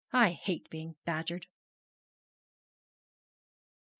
I hate being badgered.'